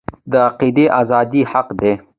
د عقیدې ازادي حق دی